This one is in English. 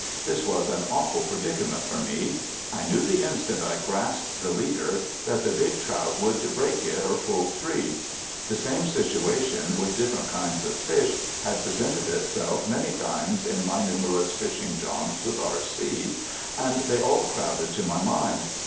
This was an awful predicament for me. I knew the instant I grasped the leader that the big trout would break it or pull free. The same situation, with different kinds of fish, had presented itself many times on my numberless fishing jaunts with R.C. and they all crowded to my mind.